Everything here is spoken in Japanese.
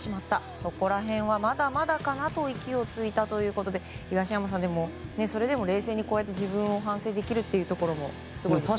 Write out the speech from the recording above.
そこら辺はまだまだかなと息をついたということで東山さん、それでも冷静に自分を反省できるところもすごいですね。